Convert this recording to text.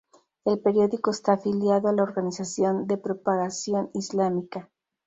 El periódico está afiliado a la Organización de Propagación Islámica.